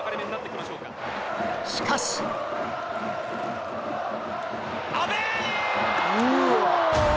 ［しかし］阿部。